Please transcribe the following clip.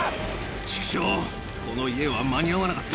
ちくしょう、この家は間に合わなかった。